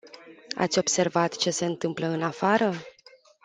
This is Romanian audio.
Ați observat ce se întâmplă în afară?